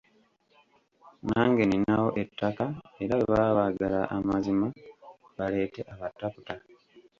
Nange nninawo ettaka era bwe baba baagala amazima baleete abataputa